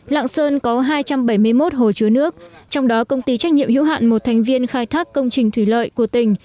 lạng sơn có hai trăm bảy mươi một hồ chứa nước trong đó công ty trách nhiệm hữu hạn một thành viên khai thác công trình thủy lợi của tỉnh